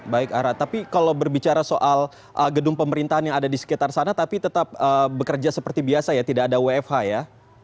baik ara tapi kalau berbicara soal gedung pemerintahan yang ada di sekitar sana tapi tetap bekerja seperti biasa ya tidak ada wfh ya